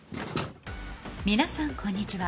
皆さんこんにちは。